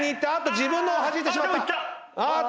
自分のをはじいてしまった。